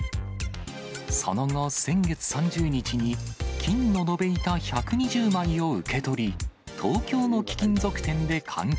その後、先月３０日に金の延べ板１２０枚を受け取り、東京の貴金属店で換金。